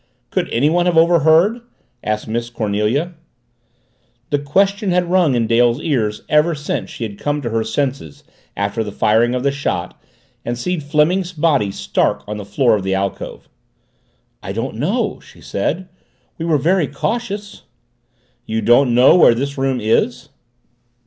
"Could anyone have overheard?" asked Miss Cornelia. The question had rung in Dale's ears ever since she had come to her senses after the firing of the shot and seen Fleming's body stark on the floor of the alcove. "I don't know," she said. "We were very cautious." "You don't know where this room is?"